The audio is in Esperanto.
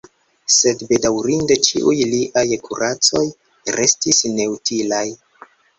Sed bedaŭrinde ĉiuj liaj kuracoj restis neutilaj.